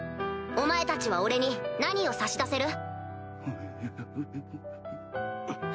お前たちは俺に何を差し出せる？